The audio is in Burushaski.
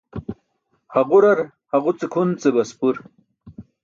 Haġurar haġuce kʰun ce baspur.